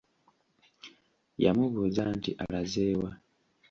Yamubuuza nti: Alaze wa?